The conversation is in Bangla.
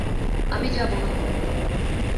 আমি যাবো না।